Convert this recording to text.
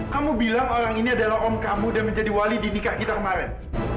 kamu bilang orang ini adalah om kamu dan menjadi wali di nikah kita kemarin